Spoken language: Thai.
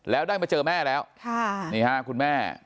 แล้วได้มาเจอแม่แล้วนี่ฮะคุณแม่